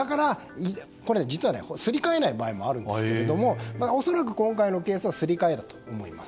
これ、実はすり替えない場合もあるんですが恐らく今回のケースはすり替えると思います。